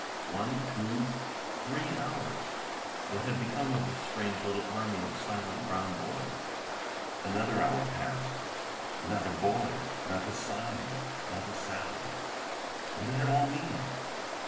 One, two, three hours! What had become of this strange little army of silent brown boys? Another hour passed. Not a boy, not a sign, not a sound. What did it all mean?